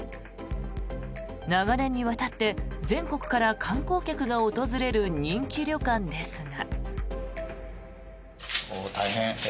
長年にわたって全国から観光客が訪れる人気旅館ですが。